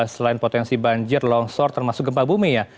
selain potensi banjir longsor termasuk gempa bumi ya